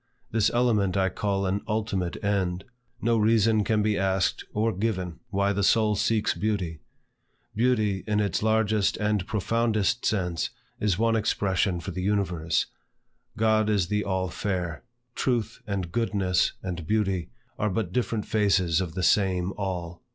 This element I call an ultimate end. No reason can be asked or given why the soul seeks beauty. Beauty, in its largest and profoundest sense, is one expression for the universe. God is the all fair. Truth, and goodness, and beauty, are but different faces of the same All.